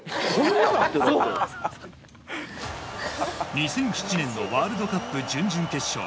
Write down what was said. ２００７年のワールドカップ準々決勝。